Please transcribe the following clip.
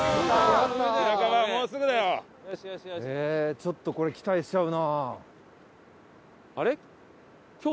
ちょっとこれ期待しちゃうな。